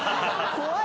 怖い！